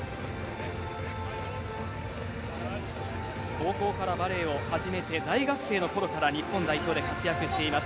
高校からバレーを始めて大学生の頃から日本代表で活躍しています